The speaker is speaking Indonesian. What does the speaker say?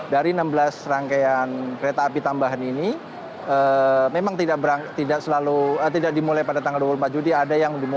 dari enam belas rangkaian kereta api tambahan ini memang tidak dimulai pada tanggal dua puluh empat juni ada yang dimulai tanggal dua puluh delapan juni atau tiga puluh juni yang lalu